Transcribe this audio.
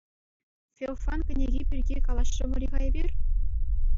Феофан кӗнеки пирки калаҫрӑмӑр-и-ха эпир?